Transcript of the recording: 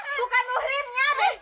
jangan pisah disini